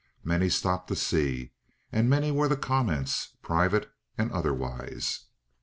Many stopped to see, and many were the comments, private and otherwise.